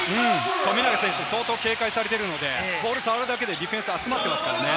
富永選手、相当警戒されているので、ボールを触るだけで、ディフェンスが集まっています。